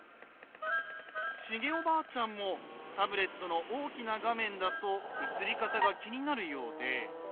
シゲおばあちゃんもタブレットの大きな画面だと映り方が気になるようで。